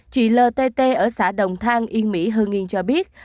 chị ltt ở xã đồng thang yên mỹ hơn nghiên cho biết